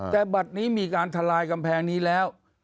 แต่บัตรนี้มีการทลายกำแพงนี้แล้ว